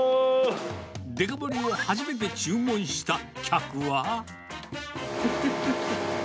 デカ盛りを初めて注文した客ふふふふ。